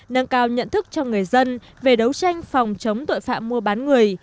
nâng cao nhận thức cho người dân về đấu tranh phòng chống tội phạm mua bán người